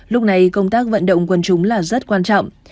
lúc này công tác vận động quân chúng là rất quan trọng